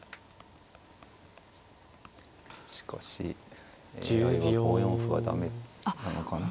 しかしＡＩは５四歩は駄目なのかな。